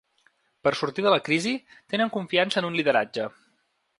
Per sortir de la crisi, tenen confiança en un lideratge.